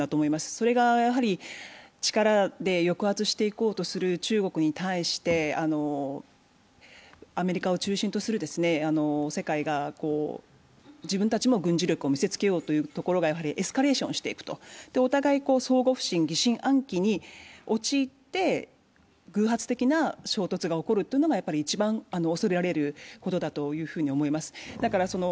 それが力で抑圧していこうとする中国に対してアメリカを中心とする世界が自分たちも軍事力を見せつけようというところがエスカレーションしていく、お互い相互不信疑心暗鬼に陥って、偶発的な衝突が起こるというのが一番恐れられることだというふうに思います。